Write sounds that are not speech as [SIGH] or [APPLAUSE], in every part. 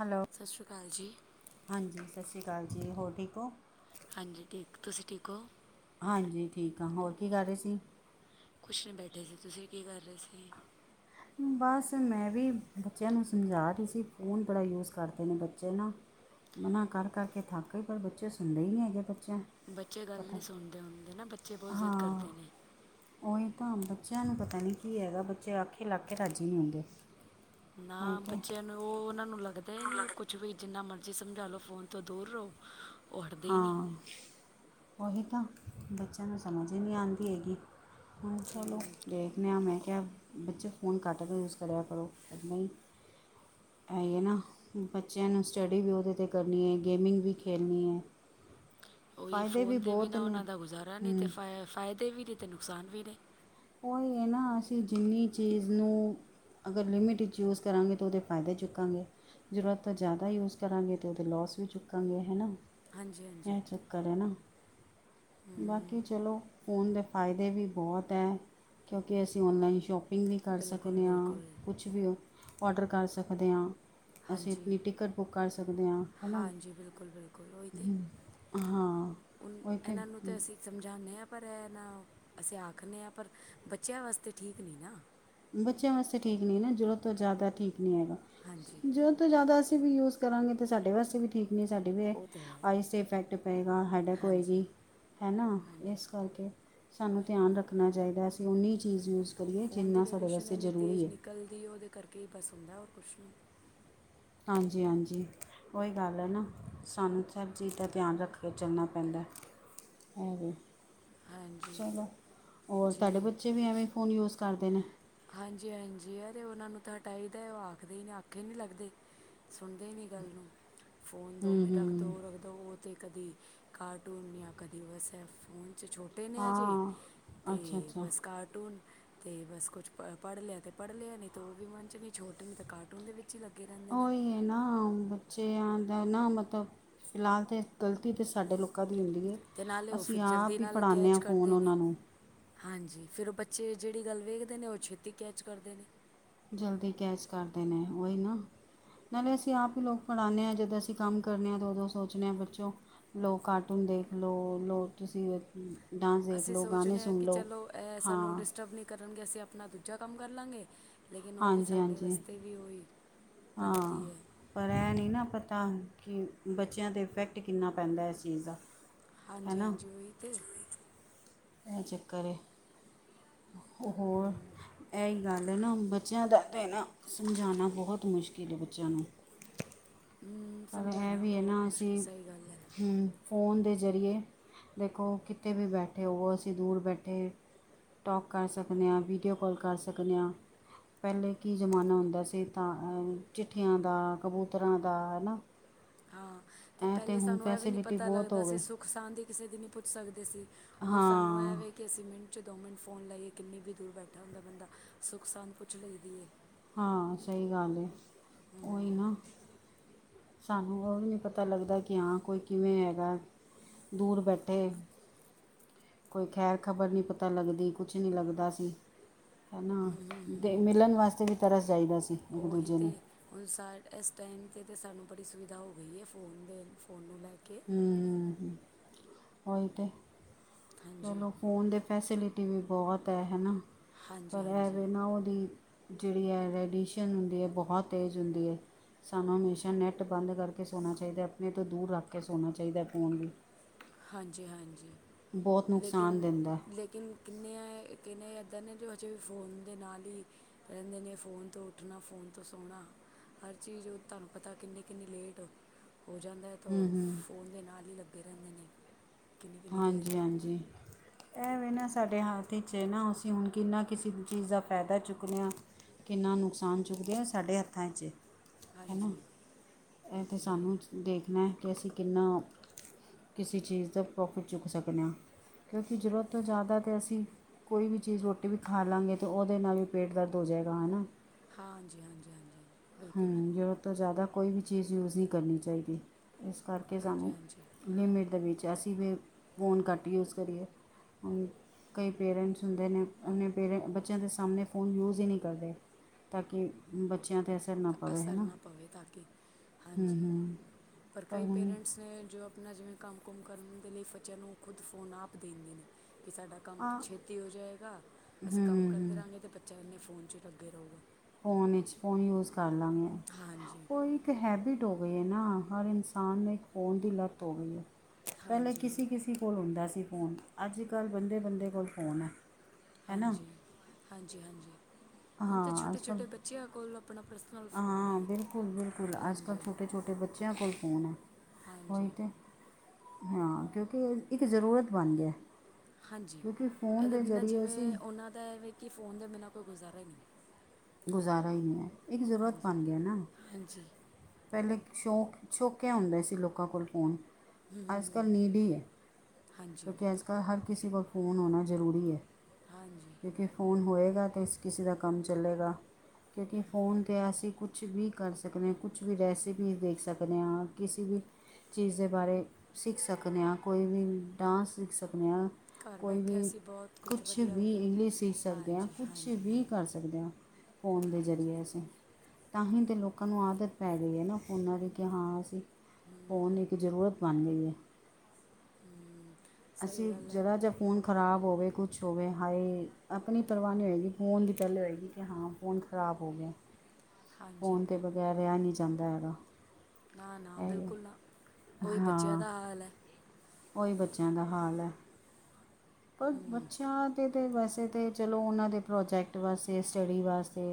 Hello. ਸਾਸ਼ਰੀ ਕਾਲ ਜੀ। ਹਾਂਜੀ, ਸਾਸ਼ਰੀ ਕਾਲ ਜੀ ਹੋਰ ਠੀਕ ਓ? ਹਾਂਜੀ ਠੀਕ, ਤੁਸੀਂ ਠੀਕ ਓ? ਹਾਂਜੀ ਠੀਕ ਆ, ਹੋਰ ਕੀ ਕਰ ਰ‌ਏ ਸੀ। ਕੁਛ ਨੀ ਬੈਠੇ ਸੀ, ਤੁਸੀਂ ਕੀ ਕਰ ਰ‌ਏ ਸੀ? ਬਾਸ, ਮੈਂ ਵੀ ਬੱਚਿਆਂ ਨੂੰ ਸਮਝਾ ਰਹੀ ਸੀ ਫੋਨ ਬੜਾ ਯੂਜ ਕਰਦੇ ਨੇ ਬੱਚੇ ਨਾ। ਮਨਾ ਕਰ- ਕਰ ਕੇ ਥੱਕ ਈ, ਪਰ ਬੱਚੇ ਸੁਣਦੇ ਈ ਨੀ ਹੈਗੇ, ਬੱਚਿਆਂ ਬੱਚੇ ਗੱਲ ਨੀ ਸੁਣਦੇ ਹੁੰਦੇ ਨਾ, ਬੱਚੇ ਬਹੁਤ ਜ਼ਿੱਦ ਕਰਦੇ ਨੇ ਉਵੇ ਤਾਂ ਬੱਚਿਆਂ ਨੂੰ ਪਤਾ ਨੀ ਕੀ ਹੈਗਾ, ਬੱਚੇ ਆਖੇ ਲਗਕੇ ਰਾਜ਼ੀ ਨੀ ਹੁੰਦੇ। ਹਾਂ ਨਾ ਤੇ ਬੱਚਿਆਂ ਨੂੰ ਉਹ ਉਹਨਾਂ ਨੂੰ ਲੱਗਦਾ ਈ ਨ‌ਈਂ ਕੁਛ ਵੀ, ਜਿੰਨਾ ਮਰਜ਼ੀ ਸਮਝਾ ਲਓ ਫੋਨ ਤੋਂ ਦੂਰ ਰ‌ਓ ਹਾਂ, ਉਹੀ ਤਾਂ ਬੱਚਿਆਂ ਨੂੰ ਸਮਝ ਈ ਨ‌ੀ ਆਂਦੀ ਹੈਗੀ। ਹਾਂ ਚਲੋ ਦੇਖਦੇ ਆਂ ਮੈਂ ਕਿਆ ਬੱਚੇ ਫ਼ੋਨ ਘੱਟ ਕੇ ਯੂਜ ਕਰਿਆ ਕਰੋ। ਪਰ ਨ‌ਈਂ ਹੈਗੇ ਨਾ, ਬੱਚਿਆਂ ਨੂੰ ਸਟੱਡੀ ਵੀ ਉਹਦੇ 'ਤੇ ਕਰਨੀ ਏ, ਗੇਮਿੰਗ ਵੀ ਖੇਲਣੀ ਐ। ਉਹੀ ਫੋਨ ਦੇ ਬਿਨਾਂ ਨੇ ਉਹਨਾਂ ਦਾ ਗੁਜ਼ਾਰਾ ਨ‌ਈਂ ਤੇ ਹੂੰ ਫਾਇ ਫਾਇਦੇ ਵੀ ਨੇ ਤੇ ਨੁਕਸਾਨ ਵੀ ਨੇ। ਉਈ ਐ ਨਾ ਅਸੀਂ ਜਿੰਨੀ ਚੀਜ਼ ਨੂੰ ਅਗਰ ਲਿਮਿਟ 'ਚ ਯੂਜ ਕਰਾਂਗੇ ਤੇ ਉਹਦੇ ਫਾਇਦੇ ਚੁੱਕਾਂਗੇ। ਜ਼ਰੂਰਤ ਤੋ ਜ਼ਿਆਦਾ ਯੂਸ ਕਰਾਂਗੇ ਤੇ ਉਹਦੇ ਲੋਸ ਵੀ ਚੁੱਕਾਂਗੇ ਹਨਾ। ਹਾਂਜੀ ਹਾਂਜੀ ਇਹ ਚੱਕਰ ਐ ਨਾ, ਬਾਕੀ ਚਲੋ ਫ਼ੋਨ ਦੇ ਫਾਇਦੇ ਵੀ ਬਹੁਤ ਐ। ਕਿਉਂਕਿ, ਅਸੀਂ ਔਨਲਾਈਨ ਸ਼ੋਪਿੰਗ ਵੀ ਕਰ ਬਿਲਕੁਲ ਸਕਦੇ ਆਂ। ਬਿਲਕੁਲ ਕੁਛ ਵੀ ਔਡਰ ਕਰ ਸਕਦੇ ਆਂ। ਅਸੀਂ ਹਾਂਜੀ ਅਪਣੀ ਟਿਕਟ ਬੁੱਕ ਕਰ ਸਕਦੇ ਆਂ, ਹੈਨਾ। ਹਾਂਜੀ ਬਿਲਕੁਲ ਬਿਲਕੁਲ ਉਹੀ ਤੇ ਹਾਂ, ਓ ਤੇ ਸਮਝਾਨੇ ਆਂ ਪਰ ਐ ਨਾ, ਅਸੀਂ ਆਖਨੇ ਆਂ ਪਰ, ਬੱਚਿਆਂ ਵਾਸਤੇ ਠੀਕ ਨੀਂ ਨਾ। ਬੱਚਿਆਂ ਵਾਸਤੇ ਠੀਕ ਨ‌ਈ ਨਾ, ਜ਼ਰੂਰਤ ਤੋਂ ਜ਼ਿਆਦਾ ਠੀਕ ਨਹੀਂ ਹੈਗਾ। ਹਾਂਜੀ ਜਰੂ ਰੂਤ ਤੋਂ ਜ਼ਿਆਦਾ ਅਸੀਂ ਵੀ ਯੂਜ ਕਰਾਂਗੇ ਤੇ ਸਾਡੇ ਵਾਸਤੇ ਵੀ ਠੀਕ ਕਿਨੀ ਸਾਡੀ ਵੀ ਏ, ਉਹ ਤੇ ਹੈ ਆਈਜ਼ 'ਤੇ ਇਫੈਕਟ ਪਏਗਾ, ਹਾਰਡੈਕ ਹਾਂਜੀ ਹੋਏਗੀ, ਹੈ ਨਾ। ਹਾਂਜੀ ਇਸ ਕਰਕੇ, ਸਾਨੂੰ ਧਿਆਨ ਰੱਖਣਾ ਚਾਹੀਦੈ, ਅਸੀਂ ਉਨੀ ਚੀਜ਼ ਯੂਜ਼ ਕਰੀਏ ਜਿੰਨਾ ਸਾ ਡੀਸ਼ਨ ਇੰਨੀ ਤੇਜ਼ ਨਿਕਲਦੀ, ਉਹਦੇ ਕਰਕੇ ਹੀ ਬਸ ਹੁੰਦਾ, ਹੋਰ ਕੁਛ ਨਹੀਂ। ਹਾਂਜੀ-ਹਾਂਜੀ ਉਹੀ ਗੱਲ ਹੈ ਨਾ, ਸਾਨੂੰ ਸਰ ਚੀਜ਼ ਦਾ ਧਿਆਨ ਰੱਖ ਕੇ ਚੱਲਣਾ ਪੈਂਦਾ। ਵੇ ਹਾਂਜੀ ਚਲੋ ਹੋਰ ਤੁਹਾਡੇ ਜੀ ਬੱਚੇ ਵੀ ਐਵੇਂ ਫ਼ੋਨ ਯੂਜ ਕਰਦੇ ਨੇ। ਹਾਂਜੀ-ਹਾਂਜੀ ਯਾਰ ਉਹਨਾਂ ਨੂੰ ਤਾਂ ਹਟਾਈ ਦਾ, ਉਹ ਆਖਦੇ ਹੀ ਨਹੀਂ ਆਖੇ ਨੀ ਲੱਗਦੇ। ਸੁਣਦੇ ਨੀ ਗੱਲ ਨੂੰ ਫੋਨ ਦੋ ਹੂੰ ਮਿੰ ਰੱਖ ਹੂੰ ਦੋ ਰੱਖ, ਦ ਉਹ ਤਾਂ ਕਦੀ ਕਾਰਟੂਨ ਜਾਂ ਕਦੀ ਵਸੇ ਫੋਨ 'ਚ ਛੋਟੇ ਕੱਟੇ ਨੇ ਅਜੇ ਹਾਂ ਅੱਛਾ ਤੇ ਅੱਛਾ ਬਸ ਕਾਰਟੂਨ, ਤੇ ਬਸ ਕੁਛ ਪ, ਪੜ੍ਹ ਲਿਆ ਤੇ ਪੜ੍ਹ ਲਿਆ ਨਹੀਂ ਤੇ ਉਹ ਵੀ ਮਨ ਚ ਨਹੀਂ ਛੋਟ ਨ ਤਾਂ ਕਾਰਟੂਨ ਦੇ ਵਿੱਚ। ਚ ਹੀ ਲੱਗੇ ਰਹਿੰਦੇ ਨੇ। ਉਹੀ ਨਾ ਬੱਚਿਆਂ ਦਾ ਨਾ ਮਤਲਬ, ਫਿਲਹਾਲ ਤੇ ਗ਼ਲਤੀ ਤੇ ਸਾਡੇ ਲੋਕ ਕਦੀ ਲੈਂਦੀਏ, ਅਤੇ ਨਾਲੇ ਉਹ ਅਸੀਂ ਫਿਰ ਆਪ ਜਲਦੀ ਵੀ ਨਾਲ ਫੜਾਉਂਦੇ ਕੈਚ ਹਾਂ ਫ਼ੋਨ ਕਰਦੇ ਨੇ ਉਹਨਾਂ ਨੂੰ ਹਾਂਜੀ, ਫਿਰ ਉਹ ਬੱਚੇ ਜਿਹੜੀ ਗੱਲ ਵੇਖਦੇ ਨੇ ਉਹ ਛੇਤੀ ਕੈਚ ਕਰਦੇ ਨੇ। ਜਲਦੀ ਕੈਚ ਕਰਦੇ ਨੇ ਉਹੀ ਨ ਨਾਲੇ ਅਸੀਂ ਆਪ ਹੀ ਲੋਕ ਪੜ੍ਹਾਉਂਦੇ ਹਾਂ ਜਦੋਂ ਅਸੀਂ ਕੰਮ ਕਰਨੇ ਹਾਂ ਤਾਂ ਉਦੋਂ ਸੋਚਦੇ ਹਾਂ ਬੱਚੋਂ ਲੌ ਕਾਰਟੂਨ ਦੇਖ ਲਓ, ਲੋ ਤੁਸੀਂ ਡਾਂਸ ਦੇਖ ਅਸੀਂ ਲਓ ਗਾਣੇ ਸੋਚਦੇ ਹਾਂ ਸੁਣ ਕਿ ਲਓ ਚਲੋ ਇਹ ਸਾਨੂੰ ਹਾਂ ਡਿਸਟਰਬ ਨਹੀਂ ਕਰਨਗੇ। ਅਸੀਂ ਆਪਣਾ ਦੂਜਾ ਕੰਮ ਕਰ ਲਵਾਂਗੇ, ਲੇਕਿਨ ਓ ਵੀ ਹਾਂਜੀ ਸਾਡੇ ਹਾਂਜੀ ਵਾਸਤੇ ਵੀ ਓਹੀ ਹਾਂ। ਪਰ, ਐ ਨਹੀਂ ਨਾ ਪਤਾ ਕਿ ਬੱਚਿਆਂ 'ਤੇ ਇੰਪੈਕਟ ਕਿੰਨਾ ਪੈਂਦਾ ਇਸ ਚੀਜ਼ ਦਾ। ਹੈ ਹਾਂਜੀ-ਹਾਂਜੀ, ਓਹੀ ਤੇ। ਐ ਚੱਕਰ ਏ। ਹੋਰ ਐਈ ਸਾਡੇ ਨਾ, ਬੱਚਿਆਂ ਦਾ ਐ ਏ ਨਾ, ਸਮਝਾਣਾ ਬਹੁਤ ਮੁਸ਼ਕਿਲ ਹੈ ਬੱਚਿਆਂ ਨੂੰ। ਪਰ ਇਹ ਸਮਝਾਉਣਾ ਵੀ ਏ ਬਹੁਤ ਨਾ ਮੁਸ਼ਕਿਲ ਅਸੀਂ ਸਹੀ ਗੱਲ ਹੈ ਹੂ ਫ਼ੋਨ ਦੇ ਜ਼ਰੀਏ, ਦੇਖੋ ਕਿਤੇ ਵੀ ਬੈਠੇ ਹੋਵੋ, ਅਸੀਂ ਦੂਰ ਬੈਠੇ ਟੋਕ ਕਰ ਸਕਦੇ ਆਂ, ਵੀਡੀਓ ਕੋਾਲ ਕਰ ਸਕਦੇ ਆਂ। ਪਹਿਲੇ ਕੀ ਜ਼ਮਾਨਾ ਹੁੰਦਾ ਸੀ ਤਾਂ ਚਿੱਠੀਆਂ ਦਾ, ਕਬੂਤਰਾਂ ਦਾ ਹੈਨਾਂ। ਹਾਂ, ਤੇ ਪਹਿਲੇ ਸਾਨੂੰ ਇਹ ਵੀ ਨਹੀਂ ਫੈਸਿਲਿਟੀ ਪਤਾ ਬਹੁਤ ਲੱਗਦਾ ਹੋ ਗਈ ਸੀ ਸੁ ਖ-ਸਾਂਦ ਹੀ ਕਿਸੇ ਦੀ ਨਹੀਂ ਪੁੱਛ ਸਕਦੇ ਸੀ, ਹੁਣ ਸਾਨੂੰ ਐ ਹਾਂ ਵੇ ਕਿ ਅਸੀਂ ਮਿੰਟ 'ਚ ਦੋ ਮਿੰਟ ਫੋਨ ਲਾਈਏ, ਕਿੰਨੀ ਕੁ ਦੂਰ ਬੈਠਾ ਹੁੰਦਾ ਬੰਦਾ, ਸੁੱਖ ਸਾਂਦ ਪੁੱਛ ਲਈਦੀ ਏ। ਹਾਂ, ਸਹੀ ਗੱਲ ਏ। ਓਹੀ ਨਾ ਸਾਨੂੰ ਓਹ ਵੀ ਨਹੀਂ ਪਤਾ ਲੱਗਦਾ ਕਿ ਹਾਂ ਕੋਈ ਕਿਵੇਂ ਹੈਗੈ। ਦੂਰ ਬੈਠੇ। ਕੋਈ ਖੈਰ ਖ਼ਬਰ ਨੀ ਪਤਾ ਲੱਗਦੀ, ਕੁਛ ਨਹੀਂ ਲੱਗਦਾ ਸੀ, ਹੈਨਾ। ਤੇ ਮਿਲਣ ਵਾਸਤੇ, ਵੀ ਤਰਸ ਜਾਈਦਾ ਸੀ। ਇੱਕ ਓਹੀ ਦੂਜੇ ਤੇ। ਨੂੰ ਹੁਣ ਸਾਰ, ਇਸ ਟਾਈਮ 'ਤੇ ਤੇ ਸਾਨੂੰ ਬੜੀ ਸੁਵਿਧਾ ਹੋ ਗਈ ਏ ਫੋਨ ਦੇ, ਫੋਨ ਨੂੰ ਲੈ ਕੇ। ਹੂੰ- ਹੂੰ-ਹੂੰ, ਉਹੀ ਤੇ, ਹਾਂਜੀ ਚਲੋ। ਫੋਨ ਦੇ ਫੈਸਿਲਿਟੀ ਵੀ ਬਹੁਤ ਹੈ, ਹੈਨਾ। ਹਾਂਜੀ ਪਰ ਐ ਹਾਂਜੀ ਵੇ ਨਾ ਉਹਦੀ ਜੇੜੀ ਇਹ ਰੈਡੀਏਸ਼ਨ ਹੁੰਦੀ ਐ, ਬਹੁਤ ਤੇਜ਼ ਹੁੰਦੀ ਐ। ਸਾਨੂੰ ਹਮੇਸ਼ਾ ਨੈੱਟ ਬੰਦ ਕਰਕੇ ਸੋਣਾ ਚਾਹੀਦੈ, ਅਪਣੇ ਤੋਂ ਦੂਰ ਰੱਖ ਕੇ ਸੋਣਾ ਚਾਹੀਦੈ ਫੋਨ ਵੀ। ਹਾਂਜੀ-ਹਾਂਜੀ, ਬਹੁਤ ਨੁਕਸਾਨ ਲੇਕਿਨ, ਦਿੰਦਾ ਲੇਕਿਨ ਕਿੰਨੇ ਆਏ, ਕਿੰਨੇ ਈ ਇਧਰ ਨੇ ਹੋ ਹਜੇ ਵੀ ਫ਼ੋਨ ਦੇ ਨਾਲ ਹੀ ਕੈਂਦੇ ਨੇ, ਫੋਨ ਤੋਂ ਉੱਠਣਾ, ਫੋਨ ਤੋਂ ਸੋਣਾ ਹਰ ਚੀਜ਼ ਉਹ ਤੁਹਾਨੂੰ ਪਤਾ ਕਿੰਨੀ-ਕਿੰਨੀ ਲੇਟ ਹੋ ਜਾਂਦਾ ਹੈ ਹੂੰ ਹੂੰ ਫੋਨ ਦੇ ਨਾਲ ਹੀ ਲੱਗੇੇ ਰਹਿੰਦੇ ਨੇ ਕਿੰਨੀ ਕਿੰਨੀ ਦੇਰ ਹਾਂਜੀ-ਹਾਂਜੀ ਇਹਵੇਂ ਨਾ ਸਾਡੇ ਹੱਥ 'ਚ ਹੈ ਨਾ ਅਸੀਂ ਹੁਣ ਕਿੰਨਾ ਕਿਸੇ ਚੀਜ਼ ਦਾ ਫਾਇਦਾ ਚੁੱਕਦੇ ਹਾਂ। ਕਿੰਨਾ ਨੁਕਸਾਨ ਚੁੱਕਦੇ ਏਂ ਸਾਡੇ ਹੱਥਾਂ 'ਚ ਏ। ਹੈਨਾ ਹਾਂਜੀ ਇਹ ਉਹ ਤੇ ਤਾਂ ਹੈ ਸਾਨੂੰ ਦੇਖਣਾ ਮੈਂ ਕਿਹਾ, ਅਸੀਂ ਕਿਨਾ ਕਿਸੀ ਚੀਜ਼ ਦਾ ਪ੍ਰੋਫਿਟ ਚੁੱਕ ਸਕਦੇ ਹਾਂ। ਕਿਉਂਕਿ ਜ਼ਰੂਰਤ ਤੋਂ ਜ਼ਿਆਦਾ ਤੇ ਅਸੀਂ ਕੋਈ ਵੀ ਚੀਜ਼, ਰੋਟੀ ਵੀ ਖਾ ਲਾਂਗੇ ਤੇ ਓਦੇ ਨਾਲ ਵੀ ਪੇਟ ਦਰਦ ਹੋ ਜਾਵੇਗਾ, ਹੈਨਾ। ਹਾਂਜੀ, ਹਾਂਜੀ, ਹਾਂਜੀ, ਹਾਂਜੀ। ਬਿਲਕੁਲ ਹੂੰ, ਜ਼ਰੂਰਤ ਤੋਂ ਜ਼ਿਆਦਾ ਕੋਈ ਵੀ ਚੀਜ਼ ਯੂਜ਼ ਨਹੀਂ ਕਰਨੀ ਚਾਹੀਦੀ। ਇਸ ਕਰਕੇ ਹਾਂਜੀ ਸਾਨੂੰ ਹਾਂਜੀ ਲਿਮਿਟ ਦੇ ਵਿੱਚ, ਅਸੀਂ ਵੀ ਫੋਨ ਘੱਟ ਯੂਜ ਕਰੀਏ। ਕਈ ਪੇਰੈਂਟਸ ਹੁੰਦੇ ਨੇ, ਅਨੇ ਪੇਰੈਂ ਬੱਚਿਆਂ ਦੇ ਸਾਹਣੇ ਫੋਨ ਯੂਜ ਹੀ ਨਹੀਂ ਕਰਦੇ। ਤਾਂ ਕਿ ਬੱਚਿਆਂ ਤੇ ਅਸਰ ਨਾ ਪਵੇ ਹੈ ਅਸਰ ਨਾ ਪਵੇ ਤਾਂ ਕਿ, ਹੂੰ ਹਾਂਜੀ। ਹੂੰ ਪਰ ਕਈ ਪੇਰੈਂਟਸ ਨੇ ਜੋ ਆਪ ਆਪਣਾ ਜਿਵੇਂ ਕੰਮ ਕੁਮ ਕਰਨ ਦੇ ਲਈ ਬੱਚਿਆਂ ਨੂੰ ਖੁਦ ਫੋਨ ਆਪ ਦੇਂਦੇ ਨੇ, ਬਈ ਸਾਡਾ ਕੰਮ ਆ ਛੇਤੀ ਹੋ ਜਾਏਗਾ, ਹੂੰ ਅਸੀਂ ਕੰਮ ਹੂੰ ਕਰਦੇ ਹੂੰ ਰਾਂਗੇ ਤੇ ਬਚਿਆਂ ਨੇ ਫ਼ੋਨ ਚ ਅੱਗੇ ਰਹੋਗੇ। ਫੋਨ ਵਿਚ, ਫੋਨ ਯੂਜ ਕਰ ਲਾਂਗੇ। ਹਾਂਜੀ। ਉਹ ਇੱਕ ਹੈਬਿਟ ਹੋ ਗਈ ਹੈ ਨਾ ਹਰ ਇਨਸਾਨ ਨੂੰ ਇੱਕ ਫੋਨ ਦੀ ਲਤ ਹੋ ਗਈ ਹੈ। ਪਹਿਲੇ ਹਾਂਜੀ ਹਾਂਜੀ ਕਿਸੀ-ਕਿਸੀ ਕੋਲ ਹੁੰਦਾ ਸੀ ਫੋਨ ਅੱਜ ਕੱਲ ਬੰਦੇ-ਬੰਦੇ ਕੋਲ ਫੋਨ ਹੈ। ਹੈ ਨਾ ਹਾਂਜੀ, ਹਾਂਜੀ, ਹਾਂਜੀ। ਹੁਣ ਤਾਂ ਹਾਂ ਅੱਜ ਕੱਲ੍ਹ ਛੋਟੇ-ਛੋਟੇ ਬੱਚਿਆਂ ਕੋਲ ਆਪਣਾ ਪਰਸਨਲ ਫੋਨ ਹਾਂ ਹੈ। ਬਿਲਕੁਲ ਬਿਲਕੁਲ ਅੱਜ ਕੱਲ੍ਹ ਹਾਂਜੀ। ਛੋਟੇ ਛੋਟੇ ਬੱਚਿਆਂ ਕੋਲ ਫੋਨ ਐ। ਹਾਂਜੀ। ਹਾਂ ਕਿਉਂਕਿ ਇੱਕ ਜ਼ਰੂਰਤ ਬਣ ਗਿਆ। ਹਾਂਜੀ ਕਿਉਂਕਿ ਫ਼ੋਨ ਇਹਦੇ ਦੇ ਬਿਨਾਂ ਜ਼ਰੀਏ ਅਸੀਂ ਜਿਵੇਂ ਉਹਨਾਂ ਦਾ ਐਵੇਂ ਕਿ ਫੋਨ ਦੇ ਬਿਨਾਂ ਕੋਈ ਗੁਜ਼ਾਰਾ ਹੀ ਨਹੀਂ। ਗੁਜ਼ਾਰਾ ਹੀ ਨਹੀਂ ਹੈ ਇੱਕ ਜ਼ਰੂਰਤ ਹਾਂਜੀ ਬਣ ਗਿਆ ਨਾ ਹਾਂਜੀ। ਪਹਿਲੇ ਸ਼ੌਕ ਸ਼ੋਕੇ ਹੁੰਦੇ ਸੀ ਲੋਕਾਂ ਕੋਲ ਫੋਨ। ਅਜ ਕੱਲ੍ਹ ਨੀਡੀ ਹੀ ਹੈ ਹਾਂਜੀ ਕਿਉਂਕਿ ਅਜ ਕੱਲ ਹਰ ਕਿਸੀ ਕੋਲ ਫ਼ੋਨ ਹੋਣਾ ਜ਼ਰੂਰੀ ਹੈ। ਹਾਂਜੀ। ਕਿਉਂਕਿ ਫੋਨ ਹੋਏਗਾ ਤੇ ਕਿਸੇ ਦਾ ਕੰਮ ਚੱਲੇਗਾ। ਕਿਉਂਕਿ ਫੋਨ 'ਤੇ ਅਸੀਂ ਕੁਛ ਵੀ ਕਰ ਸਕਨੇ। ਕੁਛ ਵੀ ਰੈਸਪੀਜ਼ ਦੇਖ ਸਕਦੇ ਹਾਂ ਕਿਸੀ ਵੀ ਚੀਜ਼ ਦੇ ਬਾਰੇ ਸਿੱਖ ਸਕਦੇ ਹਾਂ ਕੋਈ ਵੀ ਡਾਂਸ ਸਿੱਖ ਸਕਦੇ ਹਾਂ ਘਰ ਕੋਈ ਬੈਠੇ ਵੀ ਅਸੀਂ ਬਹੁਤ ਕੁਝ ਕੁਛ ਵਧੀਆ ਵੀ ਵਧੀਆ ਇੰਗਲਿਸ਼ ਸਿੱਖ ਸਕਦੇ ਹਾਂ ਹਾਂਜੀ ਕੁਛ ਹਾਂਜੀ ਵੀ ਕਰ ਹਾਂਜੀ ਸਕਦੇ ਹਾਂ। ਫੋਨ ਦੇ ਹਾਂਜੀ ਜ਼ਰੀਏ ਅਸੀਂ। ਤਾਂ ਹੀ ਤਾਂ ਲੋਕਾਂ ਨੂੰ ਆਦਤ ਪੈ ਗਈ ਹੈ ਨਾ ਫੋਨਾਂ ਦੀ ਕਿ ਹਾਂ ਅਸੀਂ ਫੋਨ ਹੂੰ ਇੱਕ ਜ਼ਰੂਰਤ ਬਣ ਗਈ ਹੈ। ਹੂੰ। ਸਹੀ ਅਸੀਂ ਗੱਲ ਹੈ ਜਰ੍ਹਾ ਜਾ ਫ਼ੋਨ ਖ਼ਰਾਬ ਹੋਵੇ ਕੁਛ ਹੋਵੇ ਹਾਏ ਆਪਣੀ ਪਰਵਾ ਨਹੀਂ ਹੋਏਗੀ ਫੋਨ ਦੀ ਪਹਿਲੇ ਹੋਏਗੀ ਕਿ ਹਾਂ ਫੋਨ ਖ਼ਰਾਬ ਹੋ ਗਿਆ ਹਾਂਜੀ ਫੋਨ ਦੇ ਬਗੈਰ ਰਿਹਾ ਨਹੀਂ ਜਾਂਦਾ ਹੈਗਾ ਨਾ-ਨਾ ਬਿਲਕੁਲ ਇਹ ਨਾ ਉਹੀ ਬੱਚਿਆਂ ਹਾਂ ਦਾ ਹਾਲ ਹੈ। ਉਹੀ ਬੱਚਿਆਂ ਦਾ ਹਾਲ ਹੈ। ਪਰ ਹੂੰ ਬੱਚਿਆਂ ਤੇ ਵੈਸੇ ਤਾਂ ਚਲੋ ਉਹਨਾਂ ਦੇ ਪ੍ਰੋਜੈਕਟ ਵਾਸਤੇ ਸਟੱਡੀ ਵਾਸਤੇ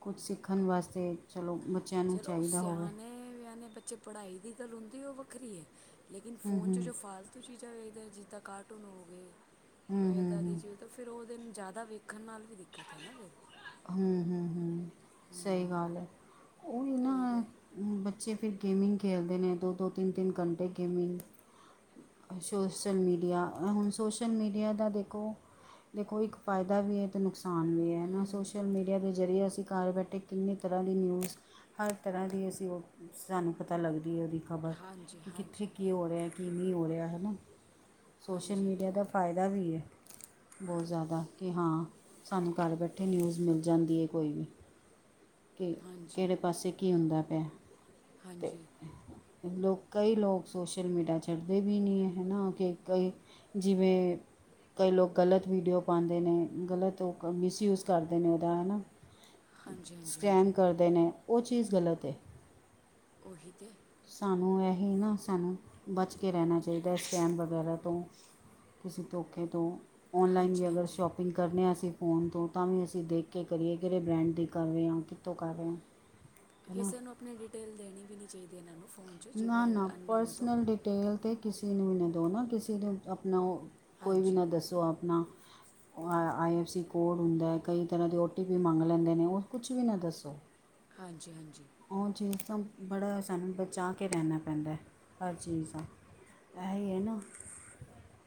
ਕੁਛ ਸਿੱਖਣ ਵਾਸਤੇ ਚਲੋ ਬੱਚਿਆਂ ਨੂੰ ਚਲੋ ਉਹ ਚਾਹੀਦਾ ਹੋਵੇ ਸਿਆਣੇ ਵਿਆਣੇ ਬੱਚੇ ਪੜ੍ਹਾਈ ਦੀ ਗੱਲ ਹੁੰਦੀ ਉਹ ਵੱਖਰੀ ਹੈ। ਲੇਕਿਨ ਹੂੰ ਫੋਨ 'ਚ ਹੂੰ ਜੋ ਫਾਲਤੂ ਚੀਜ਼ਾਂ ਦੇਖਦੇ ਜਿੱਦਾਂ ਕਾਰਟੂਨ ਹੋ ਗਏ ਹੂੰ ਕੋਈ ਹੂੰ ਇੱਦਾਂ ਦੀ ਹੂੰ ਚੀਜ਼ ਤਾਂ ਫਿਰ ਉਹ ਦਿਨ ਜ਼ਿਆਦਾ ਵੇਖਣ ਨਾਲ ਵੀ ਦਿੱਕਤ ਹੈ ਨਾ ਫਿਰ ਹੂੰ ਹੂੰ ਸਹੀ ਹੂੰ ਗੱਲ ਐ। [UNINTELLIGIBLE] ਬੱਚੇ ਫਿਰ ਗੇਮਿੰਗ ਖੇਲਦੇ ਨੇ ਦੋ- ਦੋ, ਤਿੰਨ- ਤਿੰਨ ਘੰਟੇ ਗੇਮਿੰਗ। ਸ਼ੋਸ਼ਲ ਮੀਡੀਆ ਹੁਣ ਸੋਸ਼ਲ ਮੀਡੀਆ ਦਾ ਦੇਖੋ ਦੇਖੋ ਇੱਕ ਫਾਇਦਾ ਵੀ ਹੈ ਤੇ ਨੁਕਸਾਨ ਵੀ ਹੈ ਨਾ ਹੂੰ ਸੋਸ਼ਲ ਮੀਡੀਆ ਦੇ ਜ਼ਰੀਏ ਅਸੀਂ ਘਰ ਬੈਠੇ ਕਿੰਨੇ ਤਰ੍ਹਾਂ ਦੀ ਨਿਊਜ਼ ਹਰ ਤਰ੍ਹਾਂ ਦੀ ਅਸੀਂ ਉਹ ਸਾਨੂੰ ਪਤਾ ਲੱਗਦੀ ਹੈ ਉਹਦੀ ਖਬਰ, ਹਾਂਜੀ ਕਿ ਕਿੱਥੇ ਹਾਂਜੀ ਕੀ ਹੋ ਰਿਹਾ। ਕਿ ਨਹੀਂ ਹੋ ਰਿਹਾ ਹੈ ਨਾ, ਸੋਸ਼ਲ ਹਾਂਜੀ ਮੀਡੀਆ ਦਾ ਫਾਇਦਾ ਵੀ ਹੈ, ਬਹੁਤ ਜ਼ਿਆਦਾ ਕਿ ਹਾਂ ਸਾਨੂੰ ਘਰ ਬੈਠੇ ਨਿਊਜ਼ ਮਿਲ ਜਾਂਦੀ ਹੈ ਕੋਈ ਵੀ, ਕਿ ਹਾਂਜੀ ਕਿਹੜੇ ਪਾਸੇ ਕੀ ਹੁੰਦਾ ਪਿਆ। ਤੇ ਹਾਂਜੀ ਲੋਕ ਕਈ ਲੋਕ ਸੋਸ਼ਲ ਮੀਡੀਆ ਛੜਦੇ ਵੀ ਨਹੀਂ ਹੈ ਨਾ ਕਿ ਕਈ ਜਿਵੇਂ ਕਈ ਲੋਕ ਗਲਤ ਵੀਡੀਓ ਪਾਉਂਦੇ ਨੇ, ਗਲਤ ਉਹ ਮਿਸਯੂਜ ਕਰਦੇ ਨੇ ਉਹਦਾ ਹੈ ਨਾ, ਹਾਂਜੀ ਹਾਂਜੀ ਸਕੈਮ ਹਾਂਜੀ ਕਰਦੇ ਨੇ ਉਹ ਚੀਜ਼ ਗਲਤ ਏ। ਉਹੀ ਤੇ ਸਾਨੂੰ ਇਹ ਨਾ ਸਾਨੂੰ ਬਚ ਕੇ ਰਹਿਣਾ ਚਾਹੀਦਾ ਸਕੈਨ ਵਗੈਰਾ ਤੋਂ ਕਿਸੇ ਧੋਖੇ ਤੋਂ ਔਨਲਾਈਨ ਵੀ ਹਾਂਜੀ ਅਗਰ ਸ਼ੋਪ ਹਾਂਜੀ ਸ਼ੋਪਿੰਗ ਕਰਨੇ ਹਾਂ ਅਸੀਂ ਫੋਨ ਤੋਂ ਤਾਂ ਵੀ ਅਸੀਂ ਦੇਖ ਕੇ ਕਰੀਏ ਕਿਹੜੇ ਬ੍ਰੈਂਡ ਦੀ ਕਰ ਰਹੇ ਹਾਂ, ਕਿੱਥੋਂ ਕਰ ਰਹੇ ਹਾਂ। [INAUDIBLE] ਕਿਸੇ ਨੂੰ ਆਪਣੀ ਡਿਟੇਲ ਦੇਣੀ ਵੀ ਨੀ ਚਾਹੀਦੀ ਇਹਨਾਂ ਨੂੰ ਫੋਨ 'ਚ ਜਿਵੇਂ ਨਾ- ਨਾ ਅਨਨੋਨ ਤੋਂ ਪਰਸਨਲ। ਡਿਟੇਲ 'ਤੇ ਕਿਸੇ ਨੂੰ ਵੀ ਨਾ ਦਉ ਨਾ ਕਿਸੇ ਨੂੰ ਆਪਣਾ ਕੋਈ ਵੀ ਹਾਂਜੀ ਨਾ ਦੱਸੋ ਆਪਣਾ ਆ ਆਈ ਐੱਫ ਸੀ ਕੋਡ ਹੁੰਦਾ ਕਈ ਤਰਾ ਦੇ ਓ ਟੀ ਪੀ ਮੰਗ ਲੈਂਦੇ ਨੇ ਉਹ ਕੁਛ ਵੀ ਨਾ ਦੱਸੋ। ਹਾਂਜੀ- ਹਾਂਜੀ। ਓ ਚੀਜ ਦਾ ਬੜਾ ਸਾਨੂੰ ਬਚਾ ਕਰਕੇ ਰਹਿੰਣਾ ਪੈਂਦਾ, ਹਰ ਚੀਜ਼ ਦਾ, ਅਹਿ ਹੈ ਨਾ।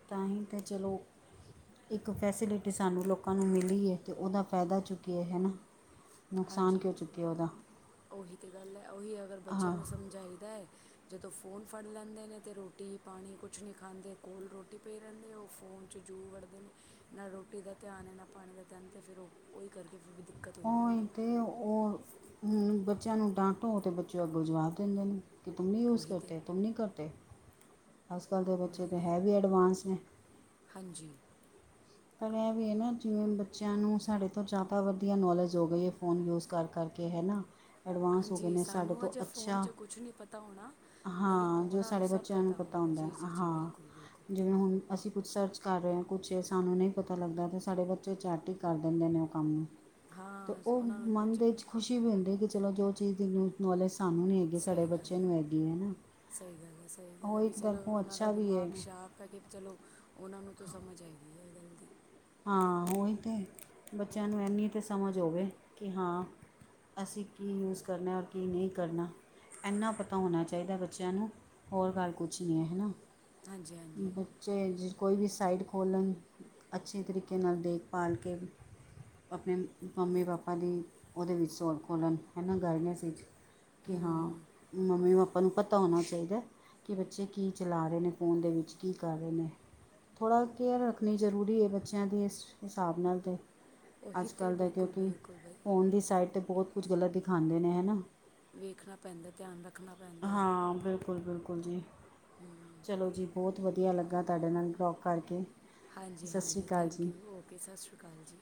ਤਾਂ ਹੀ ਤਾਂ ਚਲੋ ਇੱਕ ਫੈਸਿਲਿਟੀ ਸਾਨੂੰ ਲੋਕਾਂ ਨੂੰ ਮਿਲੀ ਹੈ ਤੇ ਉਹਦਾ ਫਾਇਦਾ ਚੁੱਕਿਆ ਹਨਾ। ਹਾਂਜੀ। ਉਹੀ ਤਾਂ ਗੱਲ ਹੈ ਉਹੀ ਅਗਰ ਬੱਚਿਆਂ ਹਾਂ ਨੂੰ ਸਮਝਾਈਦਾ ਹੈ। ਜਦੋਂ ਫੋਨ ਫੜ ਲੈਂਦੇ ਨੇ ਤਾਂ ਰੋਟੀ -ਪਾਣੀ ਕੁਛ ਨਈ ਖਾਂਦੇ, ਕੋਲ ਰੋਟੀ ਪਈ ਰਹਿੰਦੇ ਉਹ ਫੋਨ ਜੂ ਵੜਦੇ ਨੇ ਨਾ ਰੋਟੀ ਦਾ ਧਿਆਨ ਹੈ ਨਾ ਪਾਣੀ ਦਾ ਧਿਆਨ ਤੇ ਫਿਰ ਉਹੀ ਕਰਕੇ ਫਿਰ ਦਿੱਕਤ ਹੁੰਦੀ ਹੈ ਉਹਹੀ ਨਾ ਅਤੇ ਉਹ ਬੱਚਿਆਂ ਨੂੰ ਡਾਂਟੋ ਅਤੇ ਬੱਚੇ ਅੱਗੋਂ ਜਵਾਬ ਦਿੰਦੇ ਨੇ। ਕਿ ਤੂੰਮ ਨਹੀਂ ਯੂਜ ਉਹੀ ਤੇ ਕਰਤੇ, ਤੂੰਮ ਨਹੀਂ ਕਰਦੇ ਅੱਜ ਕੱਲ ਦੇ ਬੱਚੇ ਉਹੀ ਤਾਂ ਤੇ ਹੈ ਵੀ ਐਡਵਾਂਸ ਨੇ। ਹਾਂਜੀ। ਪਰ ਇਹ ਵੀ ਹੈ ਨਾ ਜਿਵੇਂ ਬੱਚਿਆਂ ਨੂੰ ਸਾਡੇ ਤੋਂ ਜ਼ਿਆਦਾ ਵਧੀਆ ਨੌਲੇਜ ਹੋ ਗਈ ਹੈ ਫੋਨ ਯੂਜ਼ ਕਰਕੇ। ਕੇ ਹੈਨਾ। ਐਡਵਾਂਸ ਹੋ ਗਏ ਹਾਂਜੀ ਨੇ ਸਾਡੇ ਸਾਨੂੰ ਤੋਂ ਅਜੇ ਫ਼ੋਨ ਅੱਛਾ। 'ਚ ਕੁਛ ਨਹੀਂ ਪਤਾ ਹੋਣਾ ਲੇਕਿਨ ਹਾਂ। ਜੋ ਉਹਨਾਂ ਸਾਡੇ ਸਭ ਬੱਚਿਆਂ ਨੂੰ ਪਤਾ ਹੁੰਦਾ ਜੀ ਜੀ ਜੀ ਹਾਂ। ਬਿਲਕੁਲ ਬਿਲਕੁਲ ਜਿਵੇਂ ਹੁਣ ਅਸੀਂ ਕੁੱਛ ਸਰਚ ਕਰ ਰਹੇ ਹਾਂ। ਕੁੱਛ ਸਾਨੂੰ ਨਹੀਂ ਪਤਾ ਲੱਗਦਾ ਤਾਂ ਸਾਡੇ ਬੱਚੇ ਚੈਟ ਹੀ ਕਰ ਦਿੰਦੇ ਨੇ ਉਹ ਕੰਮ ਨੂੰ। ਤੇ ਹਾਂ ਉਹ ਉਹਨਾਂ ਨੂੰ ਮਨ ਪੁੱਛ ਦੇ ਵਿੱਚ ਖੁਸ਼ੀ ਵੀ ਹੁੰਦੀ ਕਿ ਚਲੋ ਜੋ ਚੀਜ਼ ਨੂੰ ਨੌਲੇਜ ਸਾਨੂੰ ਨੀ ਹੈਗੀ ਸਾਡੇ ਸਹੀ ਗੱਲ ਬੱਚੇ ਹੈ ਨੂੰ ਹੈਗੀ ਹਨਾਂ। ਸਹੀ ਗੱਲ ਹੈ, ਸਹੀ ਗੱਲ ਹੈ ਵੀ ਚਲੋ ਉਹਨਾਂ ਦਾ ਵੀ ਹੈ ਦਿਮਾਗ ਸ਼ਾਰਪ ਮ ਕੇਹਾ ਚਲੋ, ਉਹਨਾਂ ਨੂੰ ਤਾਂ ਸਮਝ ਹਗੀ ਇਹ ਗੱਲ ਦੀ। ਹਾਂ। ਉਹੀ ਤਾਂ, ਬੱਚਿਆਂ ਨੂੰ ਇੰਨੀ ਤਾਂ ਸਮਝ ਹੋਵੇ, ਕਿ ਹਾਂ ਅਸੀਂ ਕੀ ਯੂਜ ਕਰਨਾ ਔਰ ਕੀ ਨਈ ਕਰਨਾ। ਇਨਾ ਪਤਾ ਹੋਣਾ ਚਾਹੀਦਾ ਬੱਚਿਆਂ ਨੂੰ ਹੋਰ ਗੱਲ ਕੁਛ ਨਈ ਹੈ ਹਨਾ। ਹਾਂਜੀ ਹਾਂਜੀ ਬੱਚੇ ਜ ਕੋਈ ਵੀ ਸਾਈਡ ਖੋਲ ਲੈਣ ਅੱਛੇ ਤਰੀਕੇ ਨਾਲ ਦੇਖਭਾਲ ਕੇ ਆਪਣੇ ਮੰਮੀ -ਪਾਪਾ ਦੀ, ਉਹਦੇ ਵਿੱਚ ਸੋ ਖੋਲਣ ਹੈਨਾ, ਗਾਈਡਨੈਸ ਇਚ। ਕਿ ਹਾਂ। ਮੰਮੀ- ਪਾਪਾ ਨੂੰ ਪਤਾ ਹੋਣਾ ਚਾਈਦਾ। ਕਿ ਬੱਚੇ ਕੀ ਚਲਾ ਰਹੇ ਨੇ, ਫ਼ੋਨ ਦੇ ਵਿੱਚ ਕੀ ਕਰ ਰੇ ਨੇ। ਥੋੜ੍ਹਾ ਕੇਅਰ ਰੱਖਣੀ ਜ਼ਰੂਰੀ ਏ ਬੱਚਿਆਂ ਦੇ ਇਸ ਹਿਸਾਬ ਨਾਲ 'ਤੇ। ਉਹੀ ਤੇ ਆੱਜ-ਕਾੱਲ‌ ਦਾ ਬਿਲਕੁਲ ਕਯੋਕਿ ਬਿਲਕੁਲ ਬਈ ਫੋਨ ਦੀ ਸਾਈਡ ਤੇ ਬੋਹਤ ਕੁੱਜ ਗਲਤ ਦਿਖਾਂਦੇ ਨੇ ਹਨਾ। ਵੇਖਨਾ ਪੈਂਦਾ ਧੇਆਨ ਰ ਹਾਂ, ਬਿਲਕੁੱਲ-ਬਿਲਕੁੱਲ ਜੀ। [INAUDIBLE] ਚਲੋ ਜੀ ਬੋਤ ਵਦੀਆ ਲੱਗਾ ਤਾਡੇ ਨਾਲ [UNINTELLIGIBLE] ਕਾਰਕੇ ਹਾਂਜੀ, ਹਾਂਜੀ ਥੈਂਕ ਯੂ ਓਕੇ ਸਾਸ਼੍ਰੀ ਕਾਲ ਜੀ